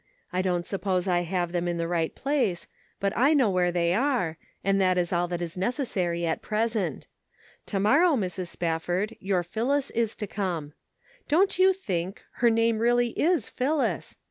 I don't suppose I have them in the right place ; but I know where they are, and that is all that is necessary at present. To Measuring Human Influence. 391 morrow, Mrs. SpafFord your Phillis is to come. Don't you think, her name really is Phillis